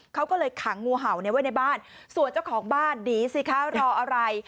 เขาก็เลยขังงูเห่าไว้ในบ้านส่วนเจ้าของบ้านหนีสิคะรออะไร